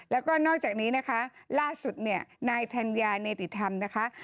แล้วก็นอกจากนี้นะคะล่าสุดเนี่ยนายธัญญาเนติธรรมนะคะ